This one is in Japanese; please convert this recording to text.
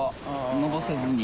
のぼせずに。